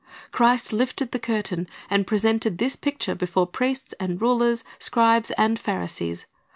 Christ lifted the curtain, and presented this picture before priests and rulers, scribes and Pharisees.